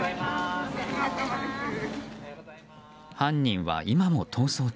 犯人は、今も逃走中。